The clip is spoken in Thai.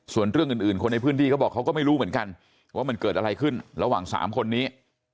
ส่วนเรื่องอื่นคนในพื้นที่เขาบอกเขาก็ไม่รู้เหมือนกันว่ามันเกิดอะไรขึ้นระหว่าง๓คนนี้